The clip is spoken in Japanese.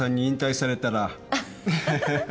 アハハハ。